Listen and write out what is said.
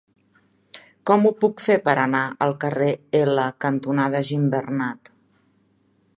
Com ho puc fer per anar al carrer L cantonada Gimbernat?